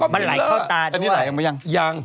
มันไหลเข้าตาด้วยอันนี้ไหลมั้ยยังยัง